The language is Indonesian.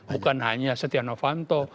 bukan hanya stenovanto